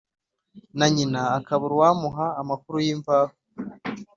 na nyina, akabura uwamuha amakuru y'imvaho.